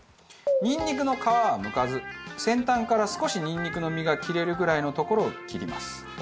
にんにくの皮は剥かず先端から少しにんにくの実が切れるぐらいの所を切ります。